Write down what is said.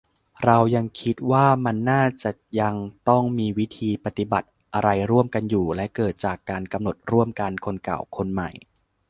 เรายังคิดว่ามันน่าจะยังต้องมีวิธีปฏิบัติอะไรร่วมกันอยู่ - และเกิดจากการกำหนดร่วมกัน คนเก่า คนใหม่